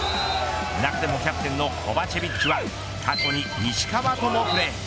中でもキャプテンのコバチェビッチは過去に石川ともプレー。